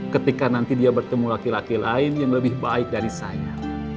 ketika nanti dia bertemu laki laki lain yang lebih baik dari saya